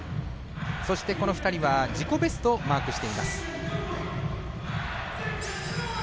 そして、この２人は自己ベストをマークしています。